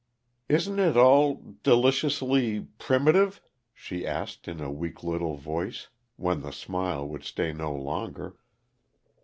"Isn't it all deliciously primitive?" she asked, in a weak little voice, when the smile would stay no longer.